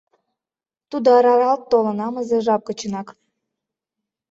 Тудо аралалт толын амызе жап гычынак.